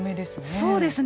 そうですね。